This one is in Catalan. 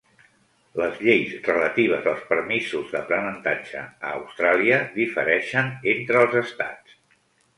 Les lleis relatives als permisos d'aprenentatge a Austràlia difereixen entre els estats.